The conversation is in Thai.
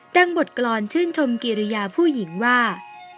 บทกรรมชื่นชมกิริยาผู้หญิงว่า